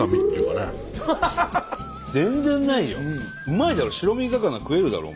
うまいだろ。